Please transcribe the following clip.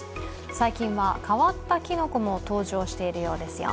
最近は変わったきのこも登場しているようですよ。